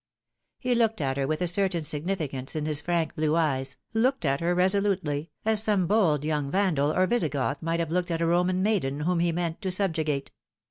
He looked at her with a certain significance in his frank blue eyes, looked at her resolutely, as some bold young Vandal or Visigoth might have looked at a Roman maiden whom he meant to subjugate.